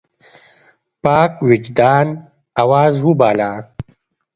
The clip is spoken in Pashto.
پاک وجدان آواز وباله.